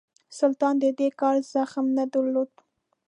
سلطان د دې کار زغم نه درلود.